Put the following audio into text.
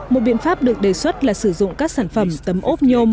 một biện pháp được đề xuất là sử dụng các sản phẩm tấm ốp nhôm